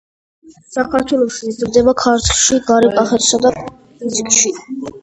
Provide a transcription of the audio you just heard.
საქართველოში იზრდება ქართლში, გარე კახეთსა და ქიზიყში.